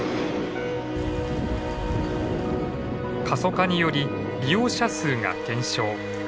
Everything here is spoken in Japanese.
過疎化により利用者数が減少。